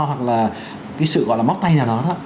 hoặc là sự móc tay nào đó